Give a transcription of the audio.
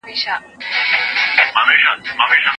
دا لوبغالی تر هغه بل لوبغالي ډېر لوی دی.